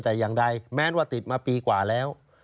แต่อย่างใดแม้ว่าติดมาปีกว่าแล้ว